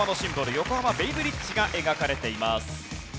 横浜ベイブリッジが描かれています。